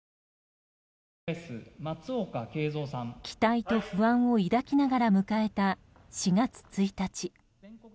期待と不安を抱きながら迎えた４月１日。